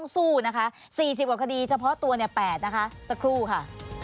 สักครู่ค่ะ